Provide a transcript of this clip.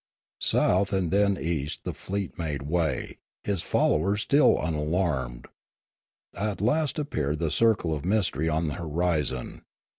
South and then east the fleet made way, his followers still unalarmed. At last appeared the circle of mystery on the horizon.